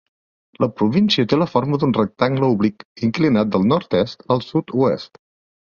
La província té la forma d'un rectangle oblic inclinat del nord-est al sud-oest.